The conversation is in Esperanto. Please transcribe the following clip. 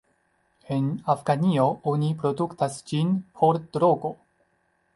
En Afganio oni produktas ĝin por drogo.